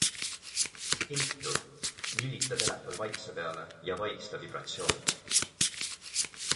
PEITU - lülita telefon vaikse peale ja vaigista vibratsioon.